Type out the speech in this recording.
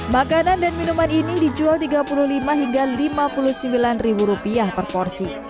makanan dan minuman ini dijual tiga puluh lima hingga lima puluh sembilan ribu rupiah per porsi